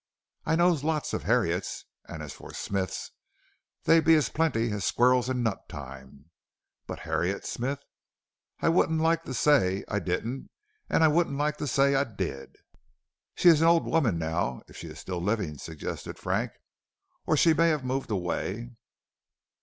I knows lots of Harriets, and as for Smiths, they be as plenty as squirrels in nut time; but Har ri et Smith I wouldn't like to say I didn't, and I wouldn't like to say I did." "She is an old woman now, if she is still living," suggested Frank. "Or she may have moved away."